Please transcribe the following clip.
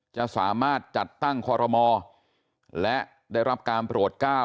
จะสามารถจัดตั้งคอรมอและได้รับการโปรดก้าว